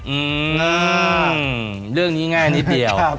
อืมเรื่องนี้ง่ายนิดเดียว